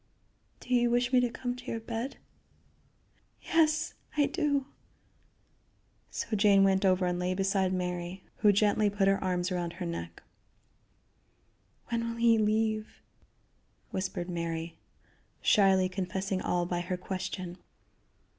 "Do you wish me to come to your bed?" "Yes, I do." So Jane went over and lay beside Mary, who gently put her arms about her neck. "When will he leave?" whispered Mary, shyly confessing all by her question.